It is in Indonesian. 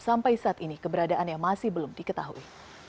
sampai saat ini keberadaan yang masih belum diketahui